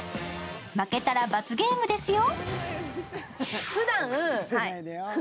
負けたら罰ゲームですよ。